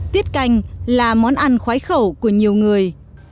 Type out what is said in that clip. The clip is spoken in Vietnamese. tiết canh là món ăn khoái khẩu của nhiều người